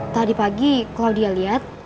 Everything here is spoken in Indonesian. tadi pagi klaudia liat